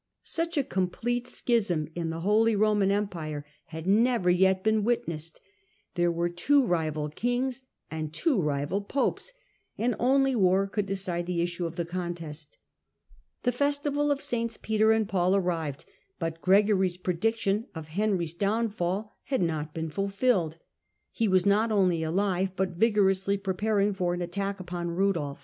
Sucb a complete schism in the Holy Roman Empire had Digitized by VjOOQIC Thr Last Years of Gregory VIL 145 never yet been witnessed : there were two rival kings, and two rival popes, and only war could decide the issne of the contest. The festival of SS. Peter and Paul arrived, butv Gregory's prediction of Henry's downfall had not been fulfilled, ^^©w^ not only alive, but vigorously preparing for anattack upon Rudolf.